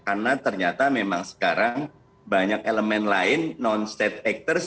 karena ternyata memang sekarang banyak elemen lain non state actors